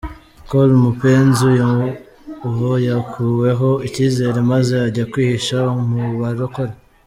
Col Mupenzi uyu ubu yakuweho ikizere maze ajya kwihisha mubarokore.